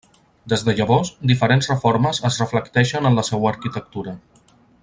Des de llavors, diferents reformes es reflecteixen en la seua arquitectura.